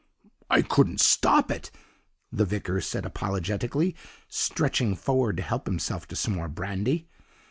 "'I couldn't stop it,' the vicar said apologetically, stretching forward to help himself to some more brandy.